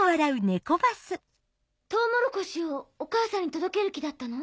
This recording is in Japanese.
トウモロコシをお母さんに届ける気だったの？